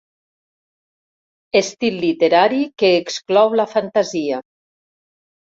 Estil literari que exclou la fantasia.